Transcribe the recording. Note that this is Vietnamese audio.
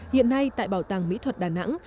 hiện nay tại bảo tàng mỹ thuật đà nẵng